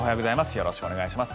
よろしくお願いします。